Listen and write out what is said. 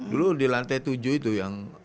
dulu di lantai tujuh itu yang